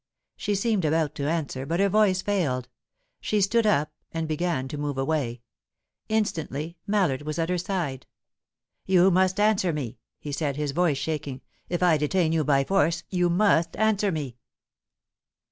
She seemed about to answer, but her voice failed. She stood up, and began to move away. Instantly Mallard was at her side. "You must answer me," he said, his voice shaking. "If I detain you by force, you must answer me."